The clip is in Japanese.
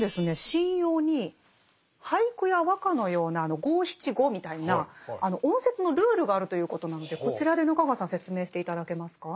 神謡に俳句や和歌のような五七五みたいな音節のルールがあるということなのでこちらで中川さん説明して頂けますか？